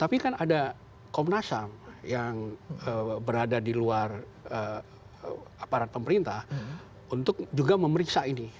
tapi kan ada komnas ham yang berada di luar aparat pemerintah untuk juga memeriksa ini